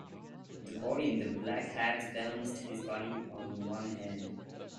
The boy in the black hat balanced his body on one hand